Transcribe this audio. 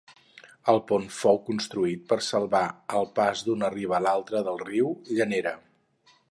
El pont fou construït per salvar el pas d'una riba a l'altra del riu Llanera.